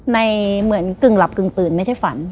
เหมือนกึ่งหลับกึ่งตื่นไม่ใช่ฝัน